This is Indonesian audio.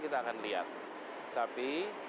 kita akan lihat tapi